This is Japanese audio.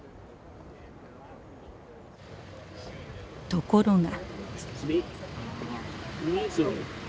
ところが。